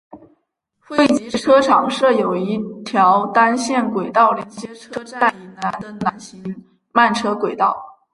汇集车厂设有一条单线轨道连接车站以南的南行慢车轨道。